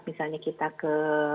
misalnya kita pada pedagang perusahaan